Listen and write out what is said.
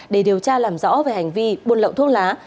để điều tra làm rõ về hành vi buôn lậu thuốc lá